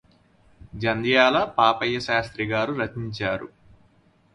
జంధ్యాల పాపయ్యశాస్త్రిగారు రచించారు